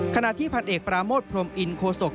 ขณะที่พันเอกปราโมทพรมอินโคศก